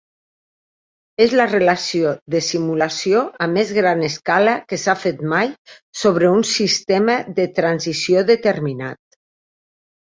És la relació de simulació a més gran escala que s'ha fet mai sobre un sistema de transició determinat.